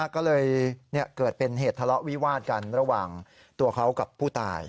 ก็เลยเกิดเป็นเหตุทะเลาะวิวาดกันระหว่างตัวเขากับผู้ตาย